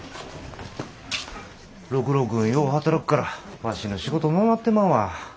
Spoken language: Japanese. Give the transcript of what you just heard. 六郎君よう働くからワシの仕事のうなってまうわ。